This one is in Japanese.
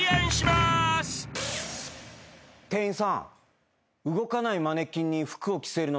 店員さん。